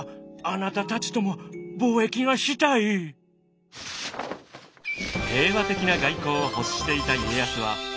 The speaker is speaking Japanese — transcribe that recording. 平和的な外交を欲していた家康は彼らを支持。